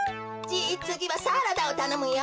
じいつぎはサラダをたのむよ。